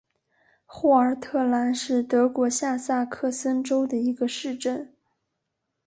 霍尔特兰是德国下萨克森州的一个市镇。